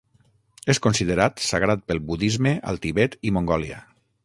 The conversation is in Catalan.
És considerat sagrat pel budisme al Tibet i Mongòlia.